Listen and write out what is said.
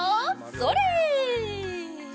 それ！